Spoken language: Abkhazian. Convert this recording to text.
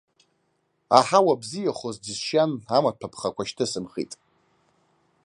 Аҳауа бзиахоз џьысшьан, амаҭәа ԥхақәа шьҭысымхит.